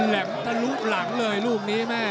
หลังลูมนี้มา